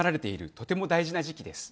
とても大事な時期です。